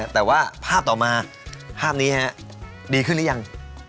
แต่ว่าภาพต่อมาภาพนี้ดีขึ้นหรือยัง